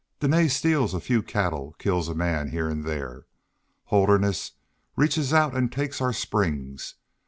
Dene steals a few cattle, kills a man here and there. Holderness reaches out and takes our springs.